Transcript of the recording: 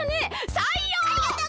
さいよう！